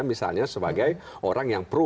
misalnya sebagai orang yang pro